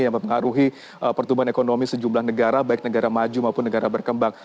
yang mempengaruhi pertumbuhan ekonomi sejumlah negara baik negara maju maupun negara berkembang